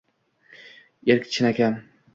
Erk chinakam